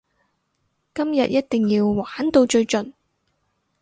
今日一定要玩到最盡！